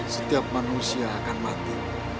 setiap manusia akan mati